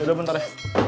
yaudah bentar ya